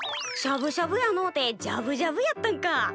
しゃぶしゃぶやのうてじゃぶじゃぶやったんか。